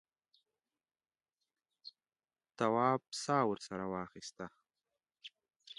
تواب سا ورسره واخیسته.